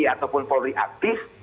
ataupun polri aktif